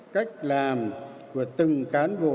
cách làm của từng cán bộ